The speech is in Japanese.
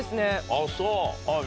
あぁそう。